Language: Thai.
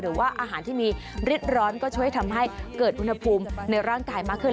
หรือว่าอาหารที่มีฤทธิ์ร้อนก็ช่วยทำให้เกิดอุณหภูมิในร่างกายมากขึ้น